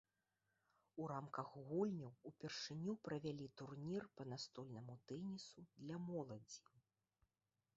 У рамках гульняў ўпершыню правялі турнір па настольнаму тэнісу для моладзі.